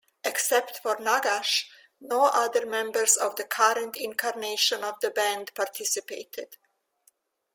Except for Nagash, no other members of the current incarnation of the band participated.